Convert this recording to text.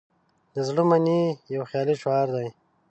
"د زړه منئ" یو خیالي شعار دی.